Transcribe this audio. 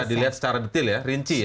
dilihat secara detail ya rinci ya